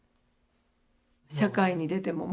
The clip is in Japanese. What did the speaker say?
社会に出ても。